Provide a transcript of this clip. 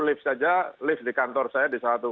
lift saja lift di kantor saya di satu